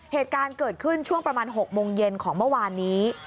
เหตุการณ์เกิดขึ้นช่วงประมาณ๖โมงเย็นของเมื่อวานนี้